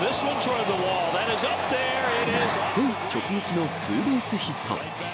フェンス直撃のツーベースヒット。